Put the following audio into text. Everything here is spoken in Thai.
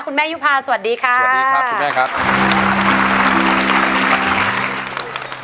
คุณแม่ยุภาสวัสดีค่ะสวัสดีครับคุณแม่ครับ